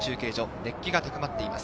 熱気が高まっています。